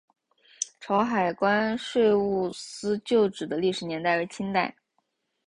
潮海关税务司旧址的历史年代为清代。